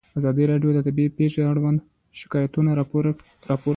ازادي راډیو د طبیعي پېښې اړوند شکایتونه راپور کړي.